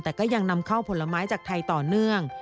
แต่ก็ยังนำเข้าผลไม้จากไทยต่อเนื่อง